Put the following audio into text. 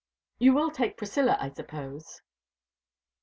You will take Priscilla, I suppose?"